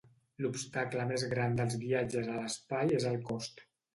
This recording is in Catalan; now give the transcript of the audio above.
L'obstacle més gran dels viatges a l'espai és el cost.